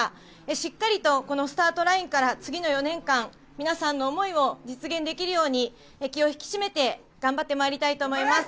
しっかりとこのスタートラインから次の４年間、皆さんの思いを実現できるように気を引き締めて頑張ってまいりたいと思います。